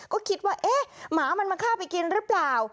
ก็คิดว่าเอ๊ะหมามันมาฆ่าไปกินหรือเปล่า